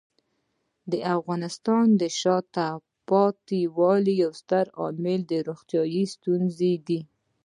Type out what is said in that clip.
د افغانستان د شاته پاتې والي یو ستر عامل روغتیايي ستونزې دي.